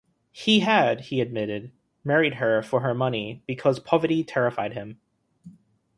He had, he admitted, married her for her money because poverty terrified him.